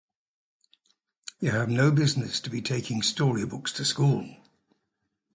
You have no business to be taking storybooks to school.